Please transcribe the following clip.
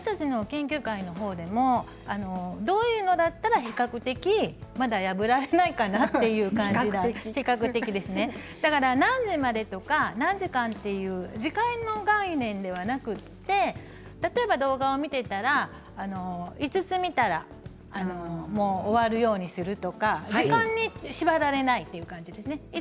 私たちの研究会の方でもどういうのだったら比較的まだ破られないかなという比較的ですね、何時までとか時間の概念ではなく例えば動画を見ていたら５つ見たら終わるようにするとか時間に縛られないという感じですね。